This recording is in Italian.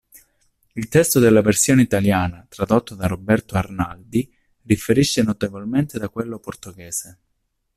Il testo della versione italiana, tradotto da Roberto Arnaldi, differisce notevolmente da quello portoghese.